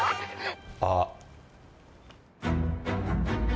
あっ。